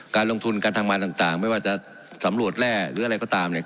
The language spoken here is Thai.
การลงทุนการทำงานต่างไม่ว่าจะสำรวจแร่หรืออะไรก็ตามเนี่ย